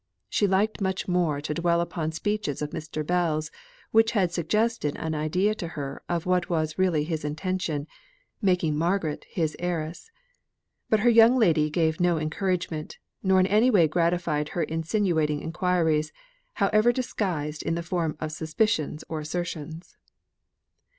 She liked much more to dwell upon speeches of Mr. Bell's, which had suggested an idea to her of what was really his intention making Margaret his heiress. But her young lady gave her no encouragement, nor in any way gratified her insinuating enquiries, however disguised in the form of suspicions or assertions.